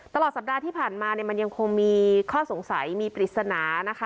ตลอดสัปดาห์ที่ผ่านมาเนี่ยมันยังคงมีข้อสงสัยมีปริศนานะคะ